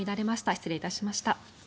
失礼いたしました。